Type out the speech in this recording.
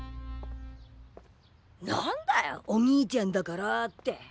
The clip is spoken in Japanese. なんだよ「お兄ちゃんだから」って。